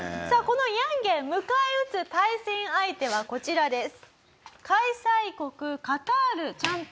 さあこのヤンゲン迎え撃つ対戦相手はこちらです。